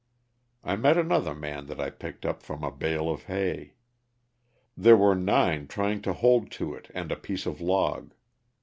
I met another man that I picked up from a bale of hay. There were nine trying to hold to it and a piece of log.